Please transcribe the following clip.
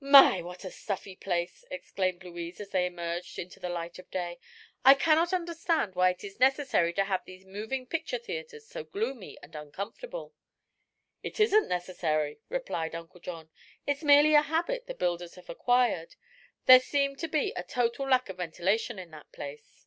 "My! what a stuffy place," exclaimed Louise, as they emerged into the light of day. "I cannot understand why it is necessary to have these moving picture theatres so gloomy and uncomfortable." "It isn't necessary," replied Uncle John. "It's merely a habit the builders have acquired. There seemed to be a total lack of ventilation in that place."